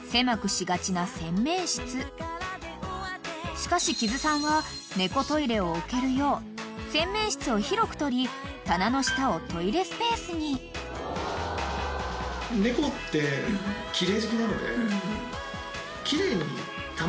［しかし木津さんは猫トイレを置けるよう洗面室を広く取り棚の下をトイレスペースに］そうしたときに。